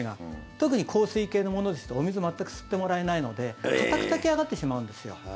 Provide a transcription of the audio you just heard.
特に硬水系のものですとお水全く吸ってもらえないので硬く炊き上がってしまうんですよ。